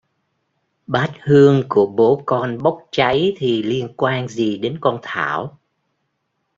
bát hương của bố con bốc cháy thì liên quan gì đến con Thảo